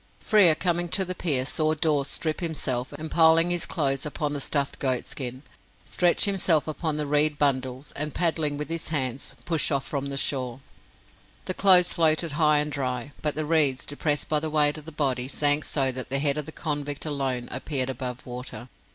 Frere, coming to the pier, saw Dawes strip himself, and piling his clothes upon the stuffed goat skin, stretch himself upon the reed bundles, and, paddling with his hands, push off from the shore. The clothes floated high and dry, but the reeds, depressed by the weight of the body, sank so that the head of the convict alone appeared above water.